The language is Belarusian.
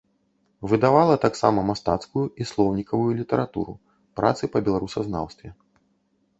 Выдавала таксама мастацкую і слоўнікавую літаратуру, працы па беларусазнаўстве.